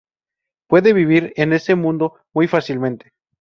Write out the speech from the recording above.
Puedes vivir en ese mundo muy fácilmente.